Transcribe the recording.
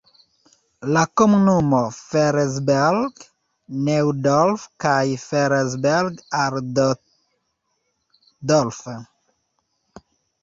La komunumo Felsberg-Neudorf kaj Felsberg-Altdorf.